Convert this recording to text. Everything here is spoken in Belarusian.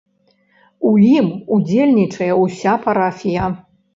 У ім удзельнічае ўся парафія.